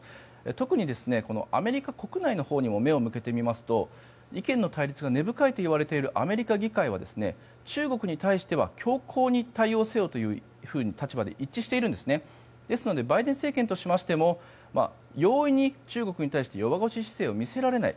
特に、アメリカ国内のほうにも目を向けてみますと意見の対立が根深いといわれているアメリカ議会は中国に対しては強硬に対応せよという立場で一致しているのでバイデン政権としましても容易に中国に対して弱腰の姿勢を見せられない。